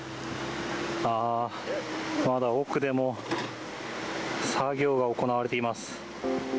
あー、まだ奥でも作業が行われています。